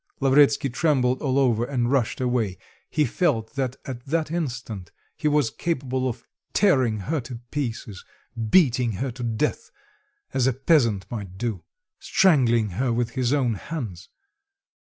Lavretsky trembled all over and rushed away; he felt that at that instant he was capable of tearing her to pieces, beating her to death, as a peasant might do, strangling her with his own hands.